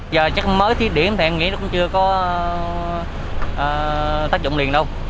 giờ chắc mới thí điểm thì em nghĩ nó cũng chưa có tác dụng liền đâu